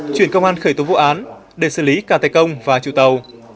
chuyển công an khởi tố vụ án để xử lý cả tài công và chủ tàu